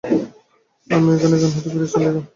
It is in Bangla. আমি এখনই এখান হইতে ফিরিয়া চলিলাম।